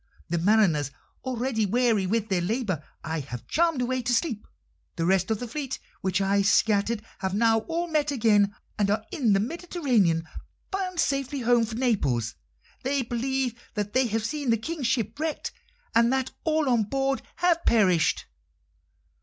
The mariners, already weary with their labour, I have charmed away to sleep. The rest of the fleet which I scattered have now all met again, and are in the Mediterranean, bound sadly home for Naples. They believe that they have seen the King's ship wrecked, and that all on board have perished."